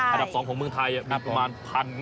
อันดับสองของเมืองไทยมีประมาณ๑๓๐๐กว่าวัด